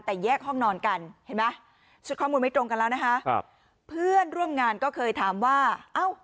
แต่แยกห้องนอนกันเพื่อนร่วมงานก็เคยถามว่า